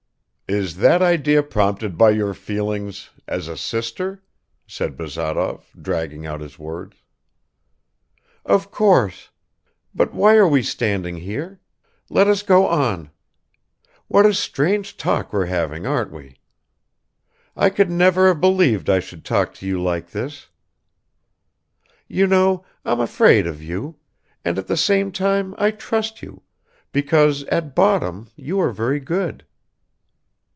"Is that idea prompted by your feelings ... as a sister?" said Bazarov, dragging out his words. "Of course ... but why are we standing here? Let us go on. What a strange talk we're having, aren't we? I could never have believed I should talk to you like this. You know, I'm afraid of you ... and at the same time I trust you, because at bottom you are very good."